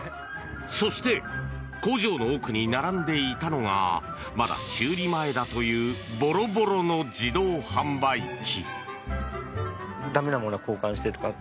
そして工場の奥に並んでいたのがまだ修理前だというぼろぼろの自動販売機。